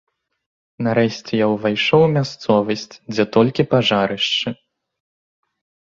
Нарэшце я ўвайшоў у мясцовасць, дзе толькі пажарышчы.